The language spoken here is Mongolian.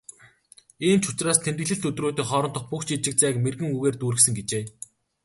"Ийм ч учраас тэмдэглэлт өдрүүдийн хоорондох бүх жижиг зайг мэргэн үгээр дүүргэсэн" гэжээ.